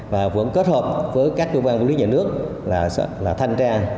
và vẫn kết hợp với các cơ quan quản lý nhà nước là thanh tra